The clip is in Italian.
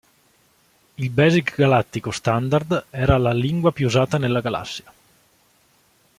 Il Basic Galattico Standard era la lingua più usata nella galassia.